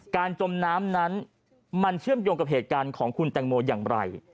จมน้ำนั้นมันเชื่อมโยงกับเหตุการณ์ของคุณแตงโมอย่างไร